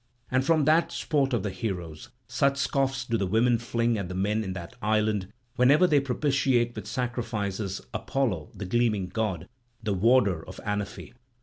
And from that sport of the heroes such scoffs do the women fling at the men in that island whenever they propitiate with sacrifices Apollo the gleaming god, the warder of Anaphe.